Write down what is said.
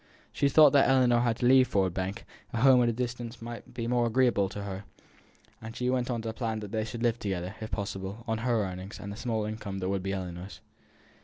She thought that as Ellinor had to leave Ford Bank, a home at a distance might be more agreeable to her, and she went on to plan that they should live together, if possible, on her earnings, and the small income that would be Ellinor's.